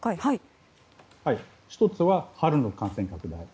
１つは春の感染拡大